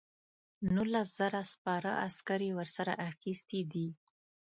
نولس زره سپاره عسکر یې ورسره اخیستي دي.